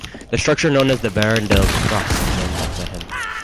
The structure known as the Vierendeel truss is named after him.